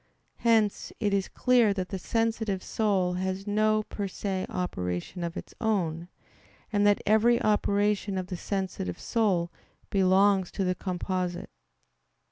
Hence it is clear that the sensitive soul has no per se operation of its own, and that every operation of the sensitive soul belongs to the composite.